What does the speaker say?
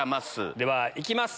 では行きます！